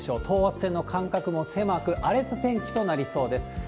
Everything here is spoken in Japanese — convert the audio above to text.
等圧線の間隔も狭く、荒れた天気となりそうです。